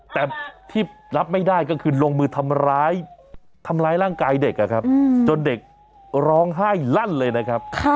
แต่ที่รับไม่ได้ก็คือลงมือทำร้ายทำร้ายร่างกายเด็กจนเด็กร้องไห้ลั่นเลยนะครับ